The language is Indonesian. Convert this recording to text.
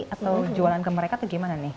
atau jualan ke mereka atau gimana nih